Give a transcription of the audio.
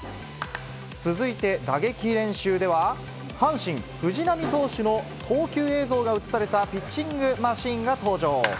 続いて、打撃練習では、阪神、藤波投手の投球映像が映されたピッチングマシーンが登場。